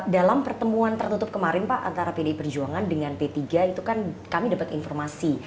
dalam pertemuan tertutup kemarin pak antara pdi perjuangan dengan p tiga itu kan kami dapat informasi